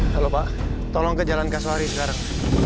halo pak tolong ke jalan gasori sekarang